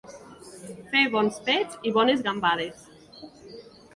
Fer bons pets i bones gambades.